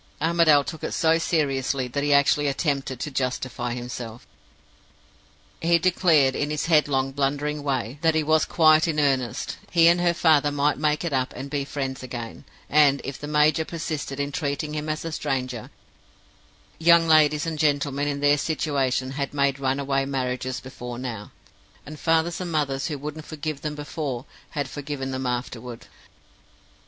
Armadale took it so seriously that he actually attempted to justify himself. "He declared, in his headlong, blundering way, that he was quite in earnest; he and her father might make it up and be friends again; and, if the major persisted in treating him as a stranger, young ladies and gentlemen in their situation had made runaway marriages before now, and fathers and mothers who wouldn't forgive them before had forgiven them afterward.